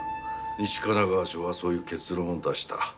西神奈川署はそういう結論を出した。